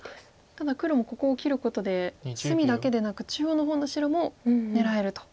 ただ黒もここを切ることで隅だけでなく中央の方の白も狙えると。